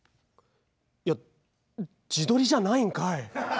いや自撮りじゃないんかい。